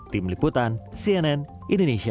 tim liputan cnn indonesia